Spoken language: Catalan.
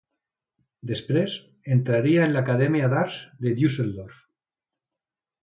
Després, entraria en l'Acadèmia d'Arts de Düsseldorf.